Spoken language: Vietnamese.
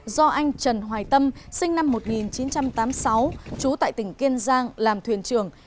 do anh trần hoài tâm sinh năm một nghìn chín trăm tám mươi sáu trú tại tỉnh kiên giang làm thuyền trưởng